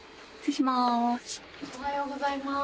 おはようございます。